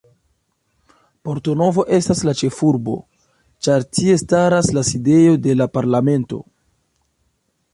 Porto Novo estas la ĉefurbo, ĉar tie staras la sidejo de la Parlamento.